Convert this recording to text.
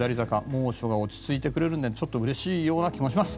猛暑が落ち着いてくれるのでちょっとうれしいような気もします。